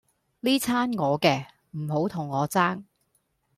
哩餐我嘅，唔好同我爭